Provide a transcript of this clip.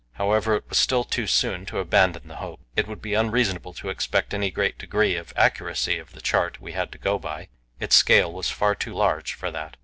However, it was still too soon to abandon the hope. It would be unreasonable to expect any great degree of accuracy of the chart we had to go by; its scale was far too large for that.